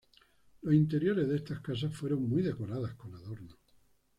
Los interiores de estas casas fueron muy decoradas con adornos.